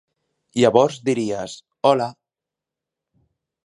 Llavors diries: 'Hola!'